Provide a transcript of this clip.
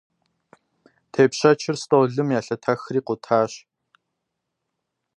Тепщэчыр стӏолым елъэтэхри къутащ.